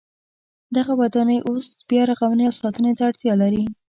دغه ودانۍ اوس بیا رغونې او ساتنې ته اړتیا لري.